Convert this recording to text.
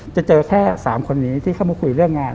จะเจอแค่๓คนนี้ที่เข้ามาคุยเรื่องงาน